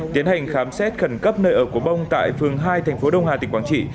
tiến hành khám xét khẩn cấp nơi ở của bông tại phường hai thành phố đông hà tỉnh quảng trị